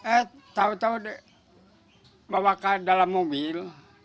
eh tau tau bawa ke dalam mobil